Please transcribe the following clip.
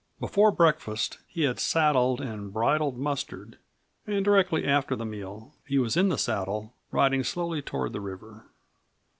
Before breakfast he had saddled and bridled Mustard, and directly after the meal he was in the saddle, riding slowly toward the river.